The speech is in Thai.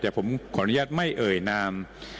แต่ผมไม่เหยยน้ำ